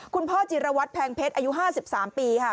พ่อจิรวัตรแพงเพชรอายุ๕๓ปีค่ะ